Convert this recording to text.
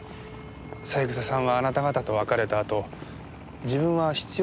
三枝さんはあなた方と別れたあと自分は必要